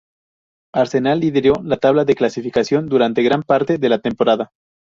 Arsenal lideró la tabla de clasificación durante gran parte de la temporada.